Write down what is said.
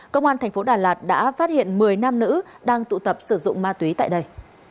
công an thành phố đà lạt đã phát hiện một mươi nam nữ đang tụ tập sử dụng ma túy tại đây